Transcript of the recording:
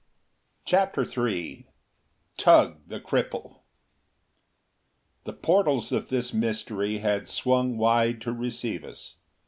CHAPTER III Tugh, the Cripple The portals of this mystery had swung wide to receive us.